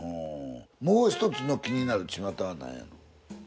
もう１つの気になるチマタは何やの？